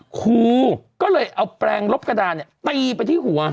ครูก็เลยเอาแปลงลบกระดานตีไปที่หัว